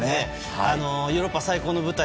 ヨーロッパ最高の舞台